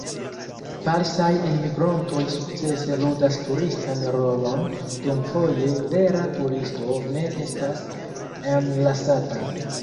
Falsaj enmigrontoj sukcese ludas turistan rolon, dum foje vera turisto ne estas enlasata.